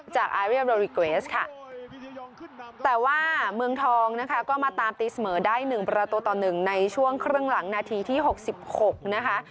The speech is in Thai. จากค่ะแต่ว่าเมืองทองนะคะก็มาตามตีเสมอได้หนึ่งประตูต่อหนึ่งในช่วงเครื่องหลังนาทีที่หกสิบหกนะคะ